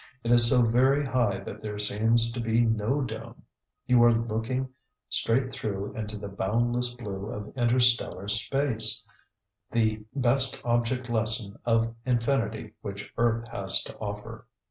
It is so very high that there seems to be no dome. You are looking straight through into the boundless blue of interstellar space, the best object lesson of infinity which earth has to offer.